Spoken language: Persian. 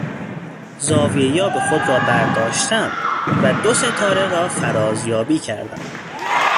زاویهیاب خود را برداشتم و دو ستاره را فرازیابی کردم.